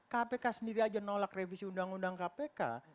kpk sendiri aja nolak revisi undang undang kpk